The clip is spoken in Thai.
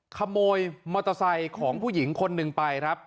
ขโมยมอเตอร์ไซค์ของผู้หญิงคนหนึ่งไปครับ